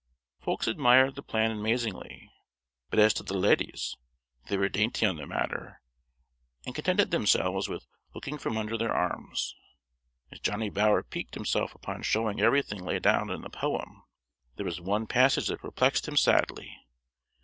Folks admired the plan amazingly, but as to the "leddies," they were dainty on the matter, and contented themselves with looking from under their arms. As Johnny Bower piqued himself upon showing everything laid down in the poem, there was one passage that perplexed him sadly.